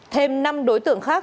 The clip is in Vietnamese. thêm năm đối tượng khác